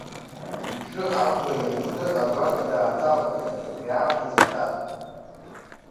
Иҽы аӷәра ианкны агәара дааҭалахьан убри аамҭазы саб.